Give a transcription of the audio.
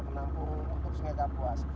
penampung untuk sungai kapuas